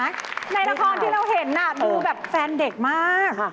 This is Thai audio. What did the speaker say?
ในละครที่เราเห็นดูแบบแฟนเด็กมาก